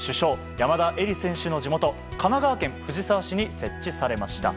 山田恵理選手の地元神奈川県藤沢市に設置されました。